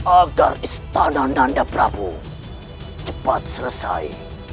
agar istana nanda prabowo cepat selesai